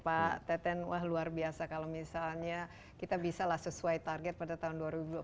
pak teten wah luar biasa kalau misalnya kita bisalah sesuai target pada tahun dua ribu dua puluh